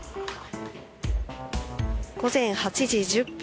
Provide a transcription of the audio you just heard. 午前８時１０分